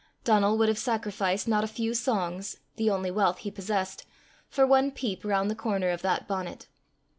Donal would have sacrificed not a few songs, the only wealth he possessed, for one peep round the corner of that bonnet.